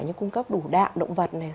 như cung cấp đủ đạm động vật này